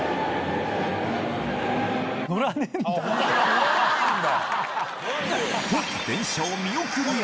乗らないんだ。